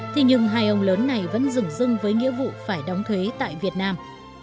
thế nhưng hai ông lớn này vẫn rừng rưng với nghĩa vụ phải đóng thuế tại việt nam